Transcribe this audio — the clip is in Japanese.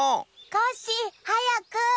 コッシーはやく！